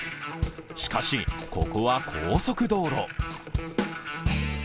しかし、ここは高速道路。